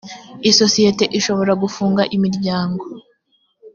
isosiyete ishobora gufunga imiryango.